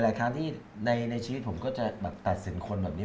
ครั้งที่ในชีวิตผมก็จะแบบตัดสินคนแบบนี้